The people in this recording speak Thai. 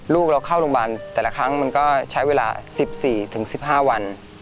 ลูกเราเข้าโรงพยาบาลแต่ละครั้งมันก็ใช้เวลา๑๔๑๕วัน